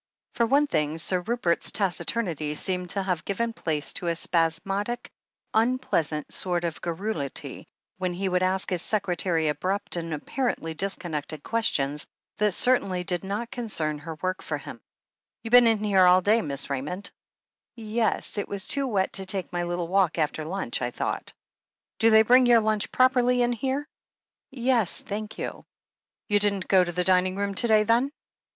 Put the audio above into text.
For one thing. Sir Rupert's taciturnity seemed to have given place to a spasmodic, unpleasant sort of garrulity, when he would ask his secretary abrupt and apparently disconnected questions, that certainly did not concern her work for him. "You been in here all day. Miss Raymond ?" "Yes. It was too wet to take my little walk after limch, I thought." "Do they bring your lunch properly in here ?" 290 THE HEEL OF ACHILLES 291 'Yes, thank you." 'You didn't go to the dining room to day, then?"